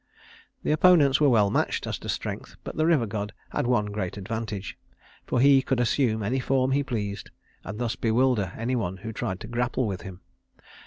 The opponents were well matched as to strength, but the river god had one great advantage, for he could assume any form he pleased, and thus bewilder any one who tried to grapple with him.